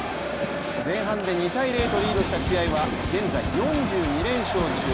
前半で２−０とリードした試合は現在４２連勝中。